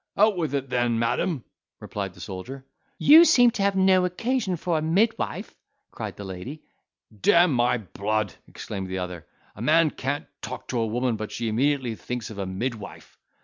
"Out with it then, madam!" replied the soldier. "You seem to have no occasion for a midwife," cried the lady. "D—mn my blood!" exclaimed the other, "a man can't talk to a woman, but she immediately thinks of a midwife."